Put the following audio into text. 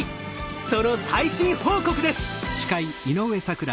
その最新報告です！